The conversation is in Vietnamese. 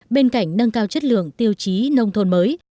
bên cạnh nâng cao chất lượng tiêu chí nông thôn mới